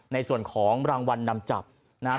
ในส่วนของรางวัลนำจับนะครับ